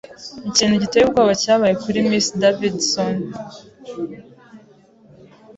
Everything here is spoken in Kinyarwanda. Ikintu giteye ubwoba cyabaye kuri Miss Davidson.